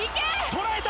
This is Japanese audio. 捉えた！